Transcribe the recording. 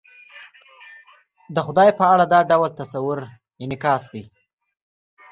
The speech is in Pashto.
د خدای په اړه دا ډول تصور انعکاس دی.